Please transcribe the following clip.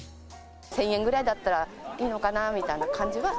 １０００円ぐらいだったら、いいのかなみたいな感じは。